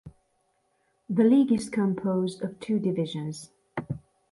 The league is composed of two divisions.